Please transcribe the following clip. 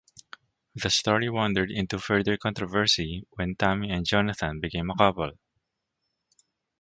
The story wandered into further controversy when Tammy and Jonathan became a couple.